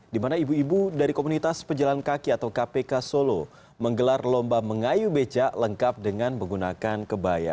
di mana ibu ibu dari komunitas pejalan kaki atau kpk solo menggelar lomba mengayu becak lengkap dengan menggunakan kebaya